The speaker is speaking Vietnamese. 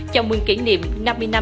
trong nguyên kỷ niệm năm mươi năm